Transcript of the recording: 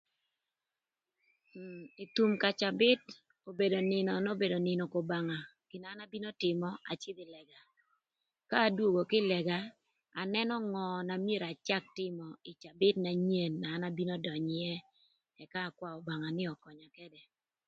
Ï thum ka cabït obedo nïnö n'obedo nïnö k'Obanga gin na abino tïmö acïdhï ï lëga ka adwogo kï lëga, anënö ngö na myero acak tïmö ï cabït na nyen na abino dönyö ïë ëka akwaö Obanga nï ökönya ködë.